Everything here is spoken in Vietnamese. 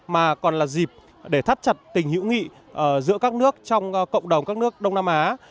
mà còn là dịp để thắt chặt tình hữu nghị giữa các nước trong cộng đồng các nước đông nam á